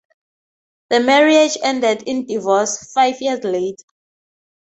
The marriage ended in divorce five years later.